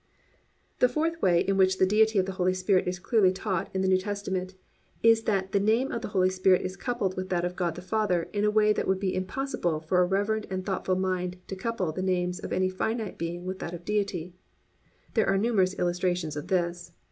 4. The fourth way in which the Deity of the Holy Spirit is clearly taught in the New Testament is that the _name of the Holy Spirit is coupled with that of God the Father in a way that it would be impossible for a reverent and thoughtful mind to couple the name of any finite being with that of Deity_. There are numerous illustrations of this.